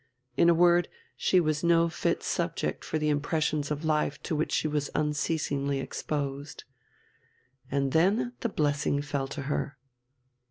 In a word, she was no fit subject for the impressions of life to which she was unceasingly exposed. And then the blessing fell to her."